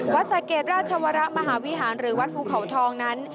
สะเกดราชวรมหาวิหารหรือวัดภูเขาทองนั้น